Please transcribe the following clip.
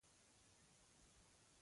ډاکټر د ماشومي پلار ته وويل :